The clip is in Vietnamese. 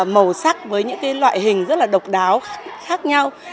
màu sắc với những loại hình rất là độc đáo khác nhau